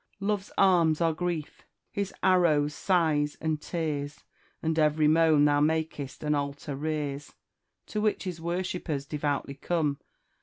Love's arms are grief his arrows sighs and tears; And every moan thou mak'st, an altar rears, To which his worshippers devoutly come.